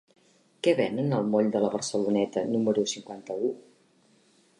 Què venen al moll de la Barceloneta número cinquanta-u?